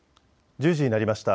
１０時になりました。